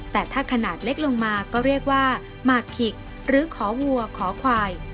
แต่ถ้าขนาดเล็กลงมาก็เรียกว่าหมากขิกหรือขอวัวขอควาย